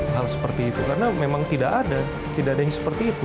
hal seperti itu karena memang tidak ada tidak ada yang seperti itu